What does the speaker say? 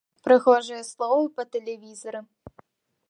Прыгожыя словы па тэлевізары.